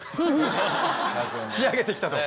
仕上げて来たと。